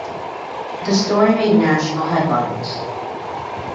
The story made national headlines.